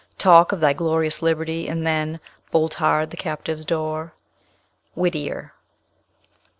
Talk of thy glorious liberty, and then Bolt hard the captive's door." Whittier.